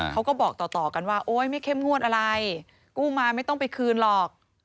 เขาก็บอกต่อกันว่าโอ๊ยไม่เข้มงวดอะไรกู้มาไม่ต้องไปคืนหรอก